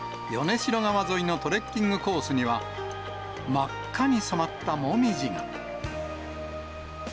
しろ川沿いのトレッキングコースには、真っ赤に染まったモミジが。